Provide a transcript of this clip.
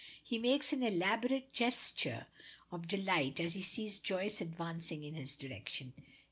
He makes an elaborate gesture of delight as he sees Joyce advancing in his direction.